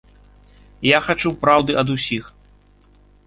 Я хачу праўды ад усіх.